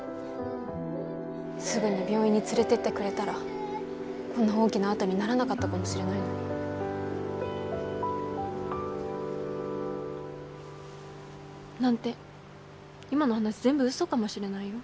すぐに病院に連れてってくれたらこんな大きな痕にならなかったかもしれないのに。なんて今の話全部うそかもしれないよ。